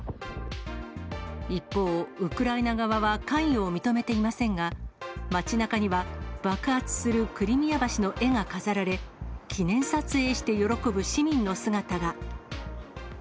一方、ウクライナ側は関与を認めていませんが、街なかには爆発するクリミア橋の絵が飾られ、記念撮影して喜ぶ市民の姿が。